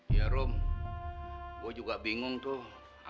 ya rom gue juga bingung tuh